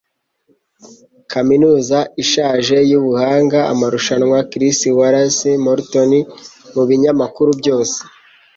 Kaminuza ishaje yubuhanga amarushanwa chris Wallace morton mubinyamakuru byose.